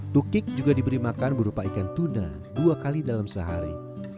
tukik juga diberi makan berupa ikan tuna dua kali dalam sehari